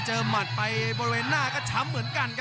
หมัดไปบริเวณหน้าก็ช้ำเหมือนกันครับ